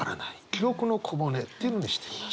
「記憶の小骨」っていうのにしてみました。